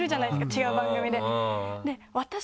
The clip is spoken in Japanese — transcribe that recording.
違う番組で。